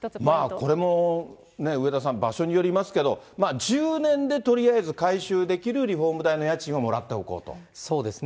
これも上田さん、場所によりますけど、１０年でとりあえず回収できるリフォーム代の家賃はもらっておこそうですね。